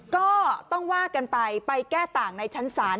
ก็ต้องว่ากันไปไปแก้ต่างในชั้นศาล